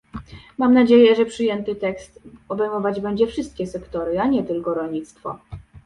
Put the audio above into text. Mam nadzieję, że przyjęty tekst obejmować będzie wszystkie sektory, a nie tylko rolnictwo